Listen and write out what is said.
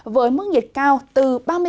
với mức nhiệt cao từ ba mươi sáu